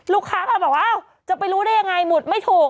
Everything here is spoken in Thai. ลูกค้าก็บอกว่าอ้าวจะไปรู้ได้ยังไงหมุดไม่ถูก